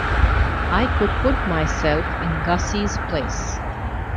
I could put myself in Gussie's place.